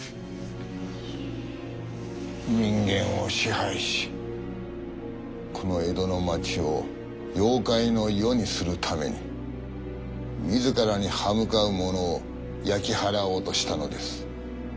人間を支配しこの江戸の町を妖怪の世にするために自らに刃向かう者を焼き払おうとしたのです。